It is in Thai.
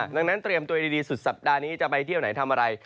ดังนั้นเตรียมตัวดีสุดสัปดาห์นี้จะไปเที่ยวไหนทำอะไร